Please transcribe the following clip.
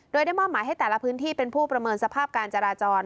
โดยได้มอบหมายให้แต่ละพื้นที่เป็นผู้ประเมินสภาพการจราจร